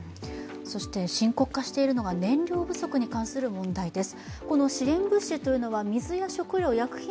深刻化しているのが燃料不足に関する問題です。